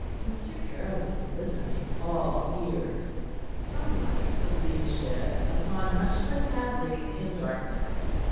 Mr. Caryll was listening, all ears. Some light was being shed upon much that had lain in darkness.